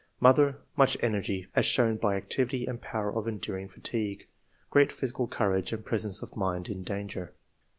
Mother— Much energy, as shown by activity and power of enduring fatigue. Great physical courage and presence of mind in danger."